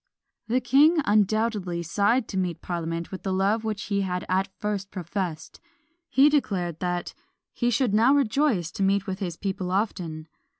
The king undoubtedly sighed to meet parliament with the love which he had at first professed; he declared that "he should now rejoice to meet with his people often."